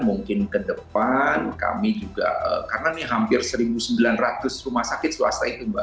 mungkin ke depan kami juga karena ini hampir satu sembilan ratus rumah sakit swasta itu mbak